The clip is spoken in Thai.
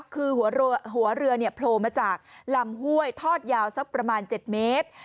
คือหัวเรือโผล่มาจากลำห้วยทอดยาวสักประมาณ๗เมตร